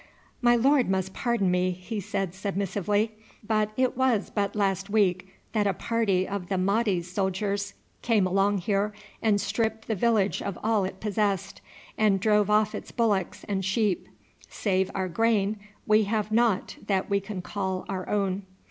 "My lord must pardon me," he said submissively; "but it was but last week that a party of the Mahdi's soldiers came along here and stripped the village of all it possessed, and drove off its bullocks and sheep. Save our grain, we have nought that we can call our own."